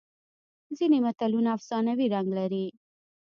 ځینې متلونه افسانوي رنګ لري